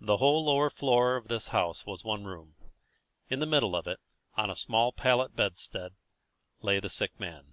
The whole lower floor of this house was one room. In the middle of it, on a small pallet bedstead, lay the sick man.